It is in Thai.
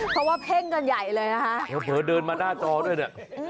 เพราะว่าเพ่งกันใหญ่เลยนะคะเผลอเดินมาหน้าจอด้วยเนี่ย